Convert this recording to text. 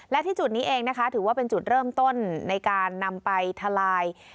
และที่จุดนี้เองนะคะถือว่าเป็นจุดเริ่มต้นในการนำไปทลาย